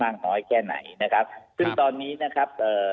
และก็สปอร์ตเรียนว่าคำน่าจะมีการล็อคกรมการสังขัดสปอร์ตเรื่องหน้าในวงการกีฬาประกอบสนับไทย